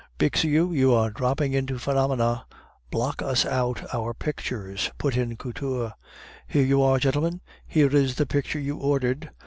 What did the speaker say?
"Bixiou, you are dropping into phenomena, block us out our pictures," put in Couture. "Here you are, gentlemen! Here is the picture you ordered!"